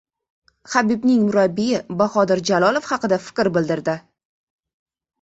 Habibning murabbiyi Bahodir Jalolov haqida fikr bildirdi